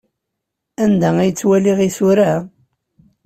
Anda ay ttwaliɣ isura?